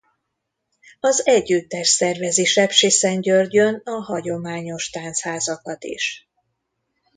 Az együttes szervezi Sepsiszentgyörgyön a hagyományos táncházakat is.